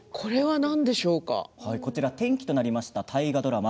こちらは転機となった大河ドラマ